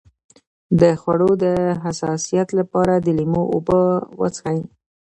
د خوړو د حساسیت لپاره د لیمو اوبه وڅښئ